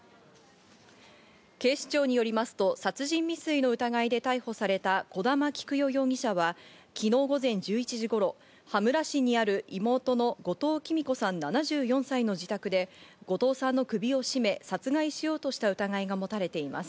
警視庁によりますと殺人未遂の疑いで逮捕された小玉喜久代容疑者は昨日午前１１時頃、羽村市にある妹の後藤喜美子さん、７４歳の自宅で後藤さんの首を絞め殺害しようとした疑いが持たれています。